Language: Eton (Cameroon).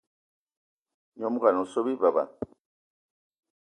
Nyom ngón o so bi beba.